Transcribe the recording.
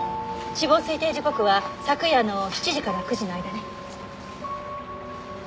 死亡推定時刻は昨夜の７時から９時の間ね。